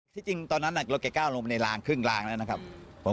ที่จริงตอนนั้นอ่ะรถไกล้เก้าลงไปในรางครึ่งรางแล้วนะครับอืม